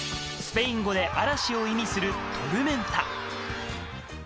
スペイン語で嵐を意味するトルメンタ。